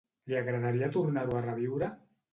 Li agradaria tornar-ho a reviure?